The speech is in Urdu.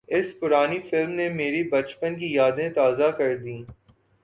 اُس پرانی فلم نے میری بچپن کی یادیں تازہ کردیں